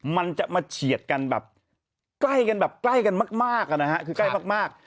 มันจะมาเฉียดกันแบบใกล้กันมาก